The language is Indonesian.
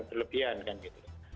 terlebihan kan gitu